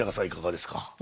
いかがですか？